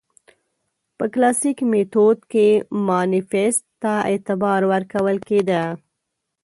په کلاسیک میتود کې مانیفیست ته اعتبار ورکول کېده.